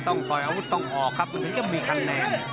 ปล่อยอาวุธต้องออกครับมันถึงจะมีคะแนน